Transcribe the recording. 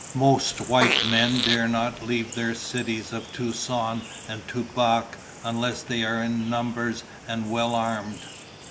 Most white men dare not leave their cities of Tucson and Tubac unless they are in numbers and well armed.